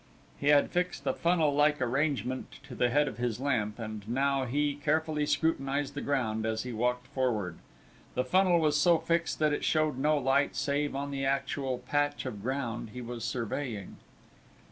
He had fixed a funnel like arrangement to the head of his lamp, and now he carefully scrutinized the ground as he walked forward. The funnel was so fixed that it showed no light save on the actual patch of ground he was surveying.